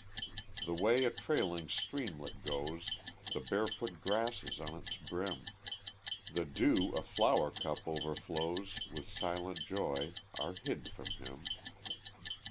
The way a trailing streamlet goes, The barefoot grasses on its brim, The dew a flower cup o'erflows With silent joy, are hid from him.